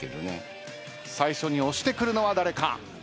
最初に押してくるのは誰か？